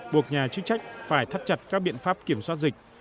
buộc nhà chức trách phải thắt chặt các biện pháp kiểm soát dịch